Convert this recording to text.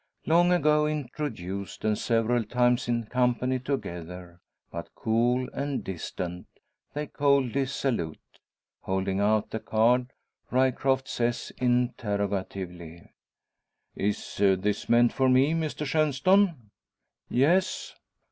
Long ago introduced, and several times in company together, but cool and distant, they coldly salute. Holding out the card Ryecroft says interrogatively "Is this meant for me, Mr Shenstone?" "Yes."